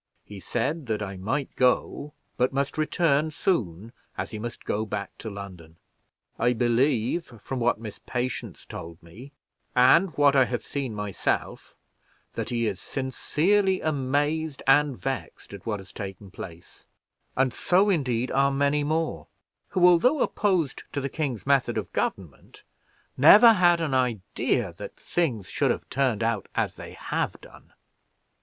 He said that I might go, but must return soon, as he must go back to London. I believe, from what Miss Patience told me, and what I have seen myself, that he is sincerely amazed and vexed at what has taken place; and so, indeed, are many more, who, although opposed to the king's method of government, never had an idea that things should have turned out as they have done.